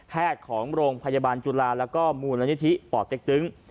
แพทย์ของโรงพยาบาลจุฬาและมูลนิทิปเต๊กตึ๊ง